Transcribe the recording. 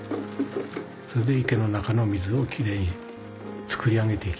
それで池の中の水をきれいに作り上げていきます。